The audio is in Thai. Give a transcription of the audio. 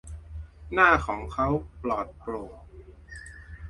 หน้าของเขาปลอดโปร่ง